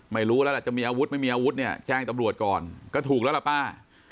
ไม่รู้แล้วล่ะจะมีอาวุธไม่มีอาวุธเนี่ยแจ้งตำรวจก่อนก็ถูกแล้วล่ะป้า